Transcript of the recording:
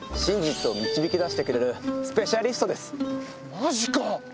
マジか！